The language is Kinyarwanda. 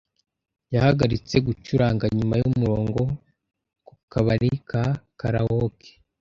Yahagaritse gucuranga nyuma yumurongo ku kabari ka karaoke.